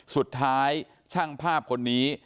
สุดท้ายช่างภาพคนนี้